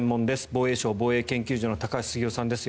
防衛省防衛研究所の高橋杉雄さんです。